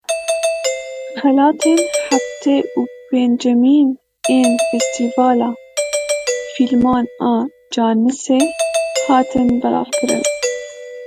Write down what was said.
Xelatên heftê û pêncemîn ên Festîvala Fîlman a Cannesê hatin belavkirin.